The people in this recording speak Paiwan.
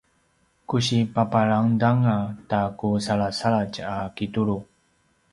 ku si papalangda anga ta ku salasaladj a kitulu